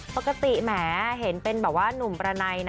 ปกติแหมเห็นเป็นแบบว่านุ่มปรณัยะ